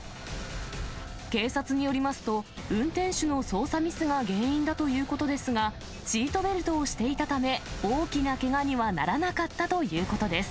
警察によりますと、運転手の操作ミスが原因だということですが、シートベルトをしていたため、大きなけがにはならなかったということです。